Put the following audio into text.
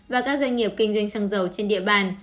và các doanh nghiệp kinh doanh xăng dầu trên địa bàn